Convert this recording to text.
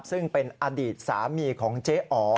ซึ่งเป็นอดีตสามีของเจ๊อ๋อ